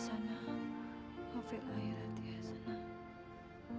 jauhkanlah kami dari segala cobaan yang tidak sanggup kami pikul